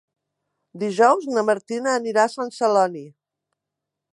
Dijous na Martina anirà a Sant Celoni.